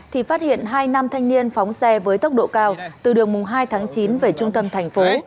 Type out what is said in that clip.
thì phát hiện hai nam thanh niên phóng xe với tốc độ cao từ đường mùng hai tháng chín về trung tâm thành phố